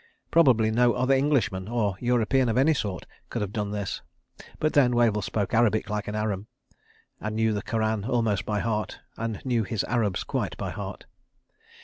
Probably no other Englishman—or European of any sort—could have done this; but then Wavell spoke Arabic like an Arab, knew the Koran almost by heart, and knew his Arabs quite by heart.